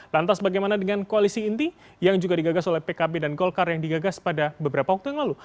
lantas bagaimana dengan koalisi inti yang juga digagas oleh pkb dan golkar yang digagas pada beberapa waktu yang lalu